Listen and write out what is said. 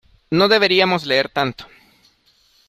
No deberíamos leer tanto.